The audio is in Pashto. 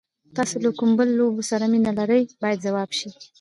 تاسو له کوم ډول لوبو سره مینه لرئ باید ځواب شي.